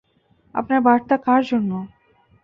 আপনার বার্তা কার জন্য?